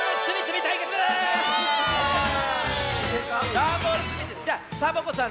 「ダンボールつみつみ」じゃサボ子さん